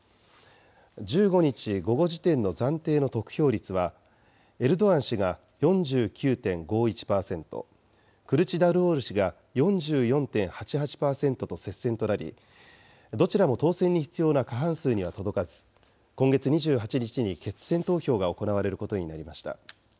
１５日午後時点の暫定の得票率は、エルドアン氏が４９．５１％、クルチダルオール氏が４４．８８％と接戦となり、どちらも当選に必要な過半数には届かず、今月２８日に決選投票が行われることになりました。